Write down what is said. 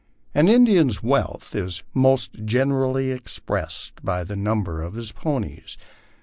An Indian's wealth is most generally expressed by the number of his ponies.